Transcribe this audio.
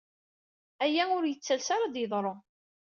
Aya ur yettales ara ad d-yeḍru.